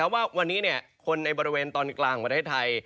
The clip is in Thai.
ว่าวันนี้คนในบริเวณตอนกลางของประเทศไทย